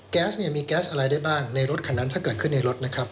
แก๊สเนี่ยมีแก๊สอะไรได้บ้างในรถคันนั้นถ้าเกิดขึ้นในรถนะครับ